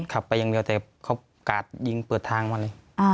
ขับไปอย่างเดียวแต่เขากาดยิงเปิดทางมาเลย